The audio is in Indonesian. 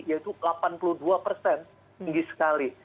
yaitu delapan puluh dua persen tinggi sekali